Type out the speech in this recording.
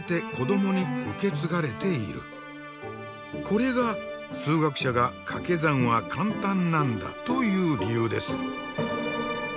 これが数学者がかけ算は簡単なんだという理由です。